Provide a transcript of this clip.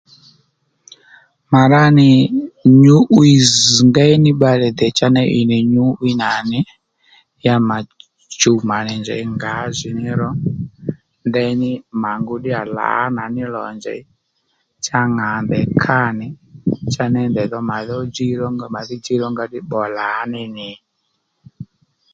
Mà ra nì nyǔ'wiy zz̀ ngéy ní bbalè dè cha ney ì nì nyǔ'wiy nà nì ya mà chùw mànì njěy ngǎjìní ró ndení mà ngú ddíyà lǎnà ní lò njèy cha ŋà ndèy kâ nì cha ney ndèy dho màdhí djiy màdhí djiy rónga pbò lǎní nì